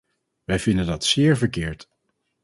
Wij vinden dat zeer verkeerd.